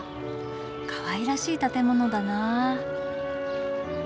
かわいらしい建物だなあ。